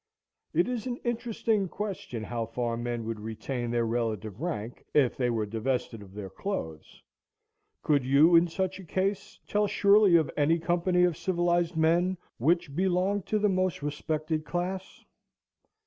It is an interesting question how far men would retain their relative rank if they were divested of their clothes. Could you, in such a case, tell surely of any company of civilized men, which belonged to the most respected class?